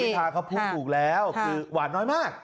พาเขาพูดถูกแล้วคือหวานน้อยมาก